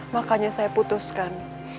makanya saya putuskan